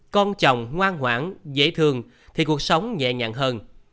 con chồng ngoan hoãn dễ thương thì cuộc sống nhẹ nhàng hơn